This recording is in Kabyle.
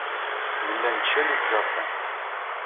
Nella nettcali deg ujeṛdan.